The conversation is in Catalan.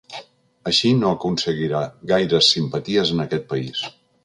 Així no aconseguirà gaires simpaties en aquest país.